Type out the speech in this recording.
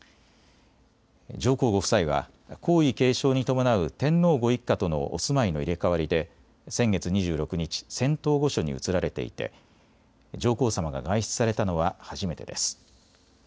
上皇ご夫妻は皇位継承に伴う天皇ご一家とのお住まいの入れ代わりで先月２６日、仙洞御所に移られていて上皇さまが外出されたのは初めてです。